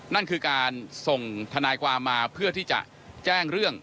นั่นคือการส่งทนายความมาเพื่อที่จะแจ้งเรื่อง